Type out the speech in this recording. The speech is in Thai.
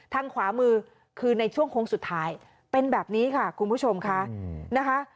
ทางขวามือคือในช่วงโค้งสุดท้ายเป็นแบบนี้ค่ะคุณผู้ชมค่ะนะคะ